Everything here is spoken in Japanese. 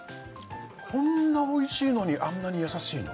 こんなおいしいのにあんなに優しいの？